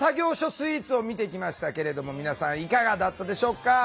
スイーツを見てきましたけれども皆さんいかがだったでしょうか？